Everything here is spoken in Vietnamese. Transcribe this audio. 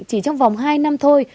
chỉ trong vòng hai năm thôi